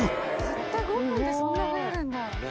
たった５分でそんなに増えるんだ。